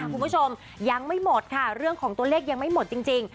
คุณผู้ชมยังไม่หมดค่ะเรื่องของตัวเลขยังไม่หมดจริง